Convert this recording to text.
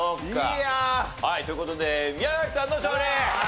いや。という事で宮崎さんの勝利。